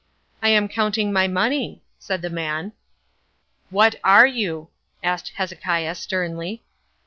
"I am counting my money," said the man. "What are you?" asked Hezekiah sternly.